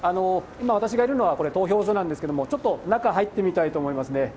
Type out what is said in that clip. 今私がいるのは投票所なんですけれども、ちょっと中入ってみたいと思いますね。